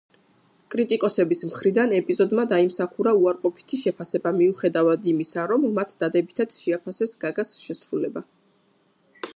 კრიტიკოსების მხრიდან ეპიზოდმა დაიმსახურა უარყოფითი შეფასება, მიუხედავად იმისა, რომ მათ დადებითად შეაფასეს გაგას შესრულება.